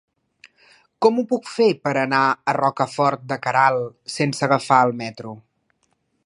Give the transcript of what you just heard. Com ho puc fer per anar a Rocafort de Queralt sense agafar el metro?